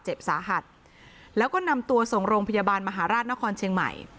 เจ็บสาหัสแล้วก็นำตัวส่งโรงพยาบาลมหาราชนครเชียงใหม่